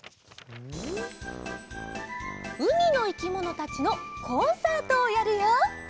「うみのいきものたちのコンサートをやるよ！